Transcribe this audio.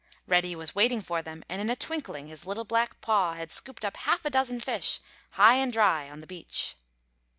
Reddy was waiting for them and in a twinkling his little black paw had scooped half a dozen fish high and dry on the beach.